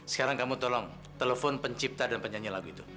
sekarang kamu tolong telepon pencipta dan penyanyi lagu itu